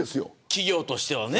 企業としてはね。